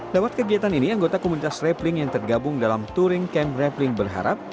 dapat kegiatan ini anggota komunitas rappeling yang tergabung dalam touring camp rappeling berharap